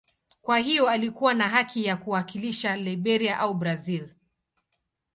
Kwa hiyo alikuwa na haki ya kuwakilisha Liberia au Brazil.